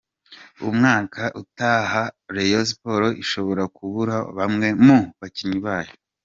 umwaka utaha Rayon Sports ishobora kubura bamwe mu bakinnyi bayo.